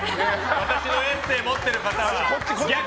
私のエッセー持ってる方は。